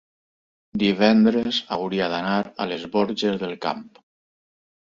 divendres hauria d'anar a les Borges del Camp.